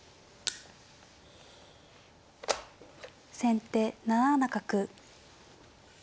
先手７七角。